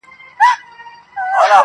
ستا د تورو زلفو لاندي جنتي ښکلی رخسار دی.